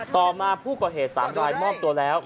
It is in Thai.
ต่อมาผู้ก่อเหตุ๓รายมอบตัวแล้ว